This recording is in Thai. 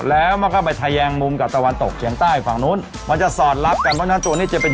แล้วไฟอย่างนี้ต้องย้ายไปทางไหน